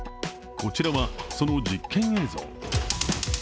こちらは、その実験映像。